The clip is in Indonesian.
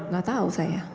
saya tidak tahu saya